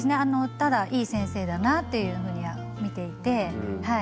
ただいい先生だなっていうふうには見ていてはい。